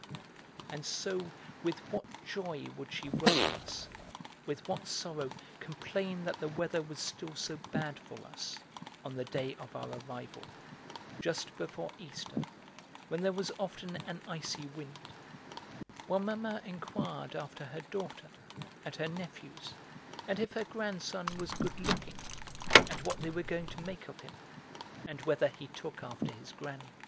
And so with what joy would she welcome us, with what sorrow complain that the weather was still so bad for us, on the day of our arrival, just before Easter, when there was often an icy wind; while Mamma inquired after her daughter and her nephews, and if her grandson was good looking, and what they were going to make of him, and whether he took after his granny.